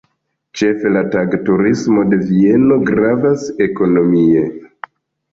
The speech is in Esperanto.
Ĉefe la tag-turismo de Vieno gravas ekonomie.